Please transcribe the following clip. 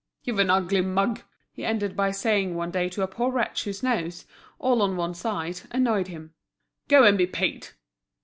"You've an ugly mug," he ended by saying one day to a poor wretch whose nose, all on one side, annoyed him, "go and be paid!"